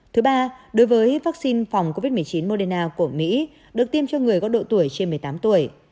thứ ba đối với vaccine phòng covid một mươi chín moderna của mỹ được tiêm cho người có độ tuổi trên một mươi tám tuổi